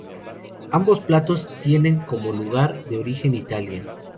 Ambos platos tienen como lugar de origen Italia.